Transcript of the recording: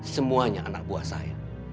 semuanya anak buah saya